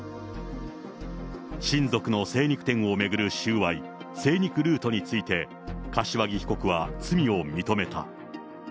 親族の精肉店を巡る収賄、精肉ルートについて、柏木被告は罪を認めた。